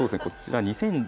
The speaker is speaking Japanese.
こちら